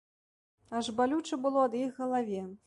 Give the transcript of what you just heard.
Аж балюча было ад іх галаве.